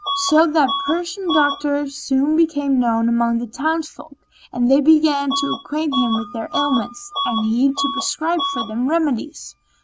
So that Persian doctor soon became known among the townsfolk and they began to acquaint him with their ailments, and he to prescribe for them remedies.